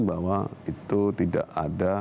bahwa itu tidak ada